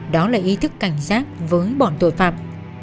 đó là ý thức cảnh giác với bọn tội phạm